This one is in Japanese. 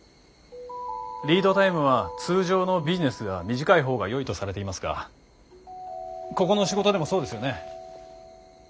リードタイムは通常のビジネスでは短い方がよいとされていますがここの仕事でもそうですよね？